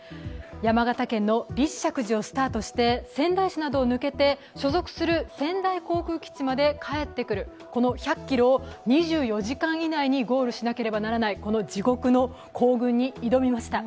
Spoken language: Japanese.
山形県の立石寺を抜けて所属する仙台航空基地まで帰ってくる、この１００ｋｍを２４時間以内にゴールしなければならない地獄の行軍に挑みました。